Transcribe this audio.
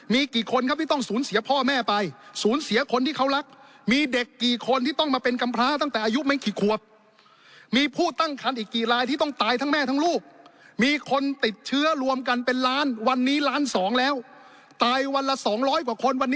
มีกี่คนที่จะต้องสูญเสียพ่อแม่ไปสูญเสียคนที่เขารัก